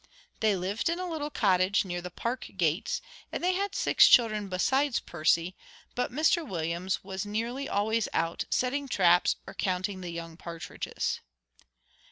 They lived in a little cottage near the Park gates, and they had six children besides Percy, but Mr Williams was nearly always out, setting traps or counting the young partridges.